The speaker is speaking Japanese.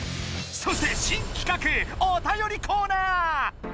そして新きかくおたよりコーナー！